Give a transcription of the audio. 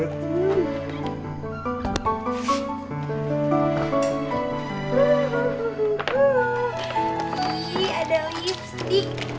ih ada lipstick